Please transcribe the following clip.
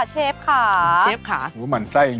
จริงอันนี้ไม่กลัวหก